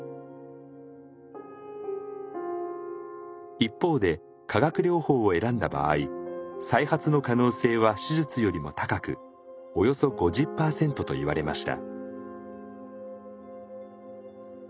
一方で化学療法を選んだ場合再発の可能性は手術よりも高くおよそ５０％と言われました。